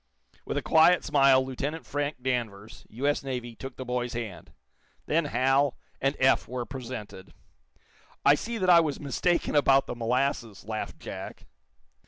With a quiet smile, Lieutenant Frank Danvers, U.S. Navy, took the boy's hand. Then Hal and Eph were presented. "I see that I was mistaken about the molasses," laughed Jack.